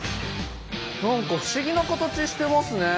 なんか不思議な形してますね。